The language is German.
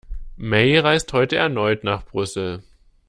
May reist heute erneut nach Brüssel